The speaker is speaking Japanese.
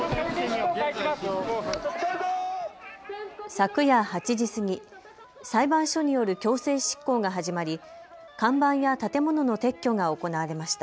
昨夜８時過ぎ、裁判所による強制執行が始まり看板や建物の撤去が行われました。